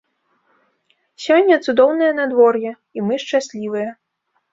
Сёння цудоўнае надвор'е, і мы шчаслівыя.